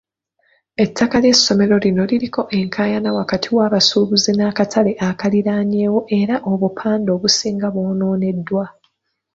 Ettaka ly'essomero lino liriko enkaayana wakati w'abasuubuzi n'akatale akaliraanyewo era obupande obusinga bwonooneddwa.